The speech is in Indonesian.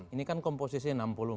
ini kan komposisi enam puluh empat